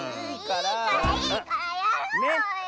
いいからいいからやろうよ。